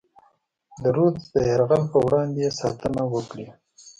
د رودز د یرغل پر وړاندې یې ساتنه وکړي.